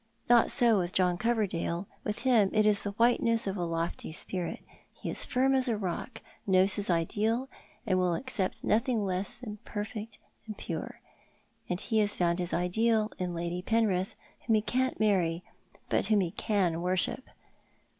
Not so witli John Coverdale. With him it is the whiteness of a lofty spirit. He is firm as a rock, knows his ideal, and will accept nothing less pure and perfect ; and he has found his ideal in Lady Penrith, whom he can't marry, but whom he can worship.